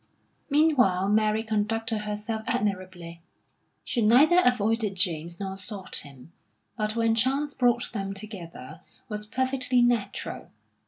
Meanwhile, Mary conducted herself admirably. She neither avoided James nor sought him, but when chance brought them together, was perfectly natural.